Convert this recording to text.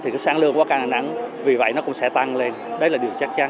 hợp tác xuất nhập khẩu qua cảng đà nẵng vì vậy nó cũng sẽ tăng lên đấy là điều chắc chắn